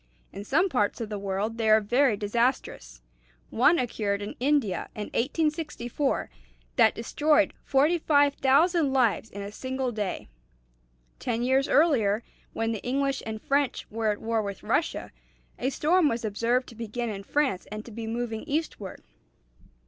In some parts of the world they are very disastrous. One occurred in India in 1864 that destroyed 45,000 lives in a single day. Ten years earlier, when the English and French were at war with Russia, a storm was observed to begin in France and to be moving eastward.